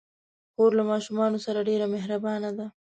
خور له ماشومانو سره ډېر مهربانه ده.